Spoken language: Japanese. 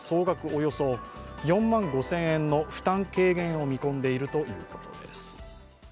およそ４万５０００円の負担軽減を見込んでいるということです。